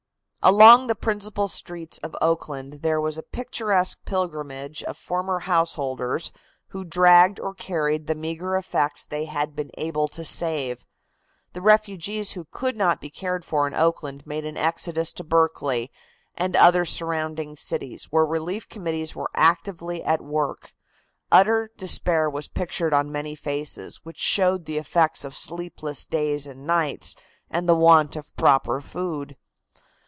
Along the principal streets of Oakland there was a picturesque pilgrimage of former householders, who dragged or carried the meagre effects they had been able to save. The refugees who could not be cared for in Oakland made an exodus to Berkeley and other surrounding cities, where relief committees were actively at work. Utter despair was pictured on many faces, which showed the effects of sleepless days and nights, and the want of proper food.